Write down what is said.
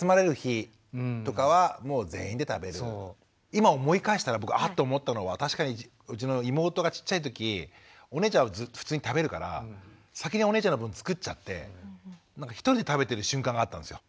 今思い返したら僕あっと思ったのは確かにうちの妹がちっちゃい時お姉ちゃんは普通に食べるから先にお姉ちゃんの分作っちゃって一人で食べてる瞬間があったんですよ。